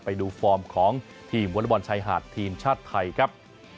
ฟอร์มของทีมวอเล็กบอลชายหาดทีมชาติไทยครับ